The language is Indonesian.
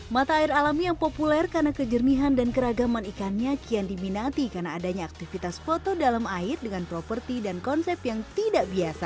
mata air alami yang populer karena kejernihan dan keragaman ikannya kian diminati karena adanya aktivitas foto dalam air dengan properti dan konsep yang tidak biasa